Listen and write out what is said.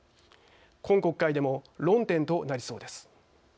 今国会でも論点となりそうです。